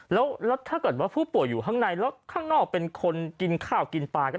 แล้วถ้าเกิดว่าผู้ป่วยอยู่ข้างในแล้วข้างนอกเป็นคนกินข้าวกินปลาก็